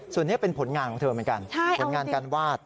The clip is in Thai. ส่วนนี้เป็นผลงานของเธอเหมือนกันผลงานการวาด